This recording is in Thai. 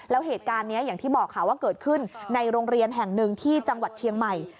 แล้วเหตุการณ์นี้อย่างที่บอกค่ะว่าเกิดขึ้นในโรงเรียนแห่งหนึ่งที่จังหวัดเชียงใหม่